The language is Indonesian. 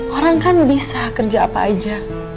orang kan bisa kerja apa aja